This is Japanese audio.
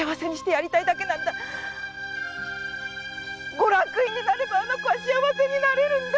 ご落胤になればあの子は幸せになれるんだよ！